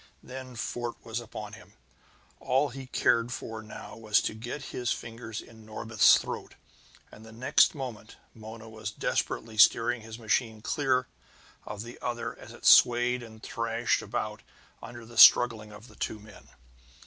And then Fort was upon him. All he cared for now was to get his fingers in Norbith's throat. And next moment Mona was desperately steering his machine clear of the other as it swayed and thrashed about under the struggling of the two men.